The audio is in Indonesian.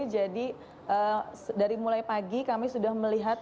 jadi dari mulai pagi kami sudah melihat